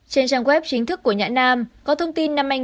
trên trang web chính thức của nhã nam có thông tin năm hai nghìn một mươi tám